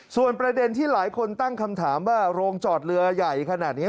ส่วนประเด็นที่หลายคนตั้งคำถามว่าโรงจอดเรือใหญ่ขนาดนี้